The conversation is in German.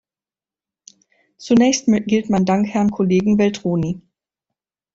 Zunächst gilt mein Dank Herrn Kollegen Veltroni.